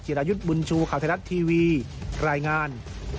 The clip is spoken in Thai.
รายุทธ์บุญชูข่าวไทยรัฐทีวีรายงาน